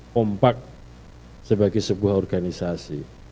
kompak sebagai sebuah organisasi